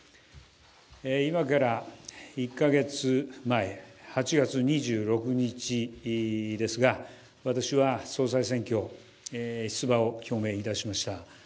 今から１カ月前８月２６日ですが私は総裁選挙出馬を表明いたしました。